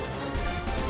terima kasih banyak